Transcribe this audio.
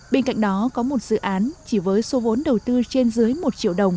bên cạnh đó có một dự án chỉ với số vốn đầu tư trên dưới một triệu đồng